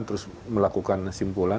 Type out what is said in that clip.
terus melakukan kesimpulan